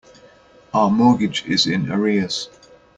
Our mortgage is in arrears.